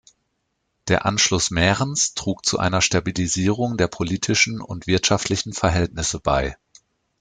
Der Anschluss Mährens trug zu einer Stabilisierung der politischen und wirtschaftlichen Verhältnisse bei.